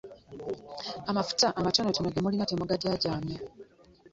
Amafuta amatono ge mulina temugajaajaamya.